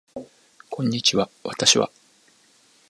こんにちは私は